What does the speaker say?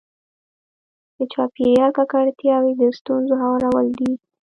د چاپېریال ککړتیاوې د ستونزو هوارول دي.